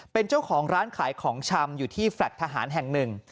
เป็นเจ้าของร้านขายของชำอยู่ที่แฟลต์ทหารแห่งหนึ่ง